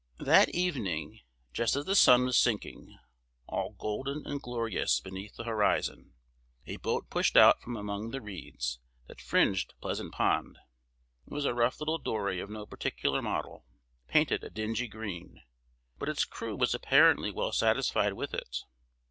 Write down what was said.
That evening, just as the sun was sinking, all golden and glorious beneath the horizon, a boat pushed out from among the reeds that fringed Pleasant Pond. It was a rough little dory of no particular model, painted a dingy green, but its crew was apparently well satisfied with it.